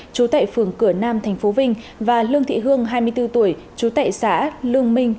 chú tệ phường cửa nam thành phố vinh và lương thị hương hai mươi bốn tuổi chú tệ xã lương minh